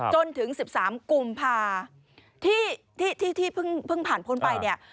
จนถึง๑๓กุมภาที่เพิ่งผ่านพ้นไปเนี่ย